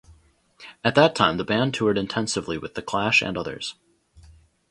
At that time the band toured intensively with The Clash and others.